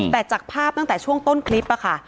แต่จากภาพตั้งแต่ช่วงต้นคลิปค่ะ